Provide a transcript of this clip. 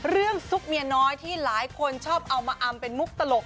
ซุกเมียน้อยที่หลายคนชอบเอามาอำเป็นมุกตลก